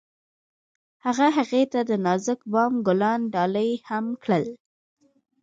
هغه هغې ته د نازک بام ګلان ډالۍ هم کړل.